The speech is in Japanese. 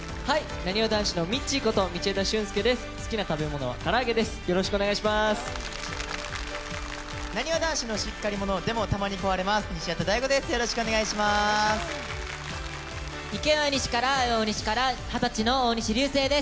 なにわ男子のミッチーこと道枝駿佑です。